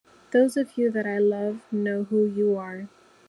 Those of you that I love know who you are.